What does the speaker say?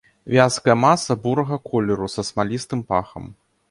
Вязкая маса бурага колеру са смалістым пахам.